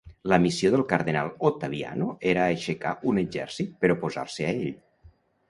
La missió del cardenal Ottaviano era aixecar un exèrcit per oposar-se a ell.